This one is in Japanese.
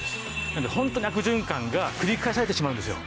なのでホントに悪循環が繰り返されてしまうんですよ。